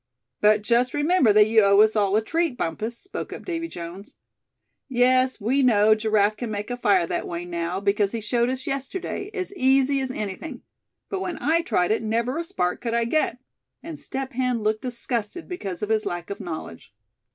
"But just remember that you owe us all a treat, Bumpus," spoke up Davy Jones. "Yes, we know Giraffe can make a fire that way now, because he showed us yesterday, as easy as anything; but when I tried it, never a spark could I get," and Step Hen looked disgusted because of his lack of knowledge.